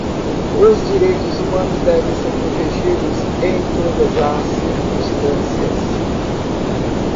Os direitos humanos devem ser protegidos em todas as circunstâncias.